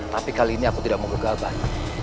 tapi kali ini aku tidak mau begalkan